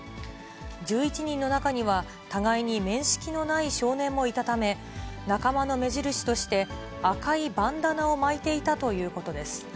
１１人の中には、互いに面識のない少年もいたため、仲間の目印として、赤いバンダナを巻いていたということです。